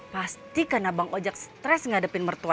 pasti karena bang ojek stres ngadepin mertua